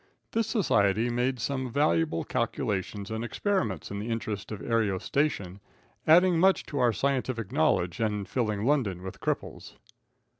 This society made some valuable calculations and experiments in the interest of aerostation, adding much to our scientific knowledge, and filling London with cripples.